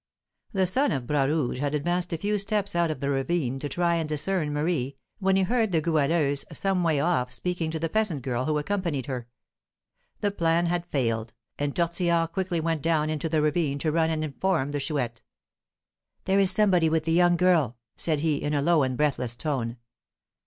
The son of Bras Rouge had advanced a few steps out of the ravine to try and discern Marie, when he heard the Goualeuse some way off speaking to the peasant girl who accompanied her. The plan had failed; and Tortillard quickly went down into the ravine to run and inform the Chouette. "There is somebody with the young girl," said he, in a low and breathless tone.